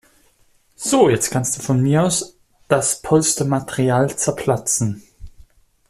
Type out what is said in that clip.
So, jetzt kannst du von mir aus das Polstermaterial zerplatzen.